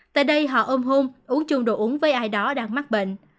tại đây họ ôm hôn uống chung đồ uống với ai đó đang mắc bệnh